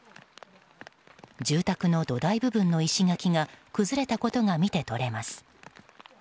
住宅の土台部分の石垣が崩れたことが見て取れます。